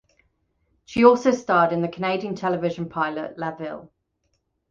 She also starred in the Canadian television pilot "La Ville".